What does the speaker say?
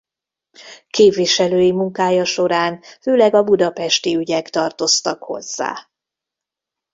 Képviselői munkája során főleg a budapesti ügyek tartoztak hozzá.